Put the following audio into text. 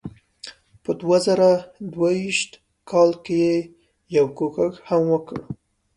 په دوه زره دوه ویشت کال کې یې یو کوښښ هم وکړ.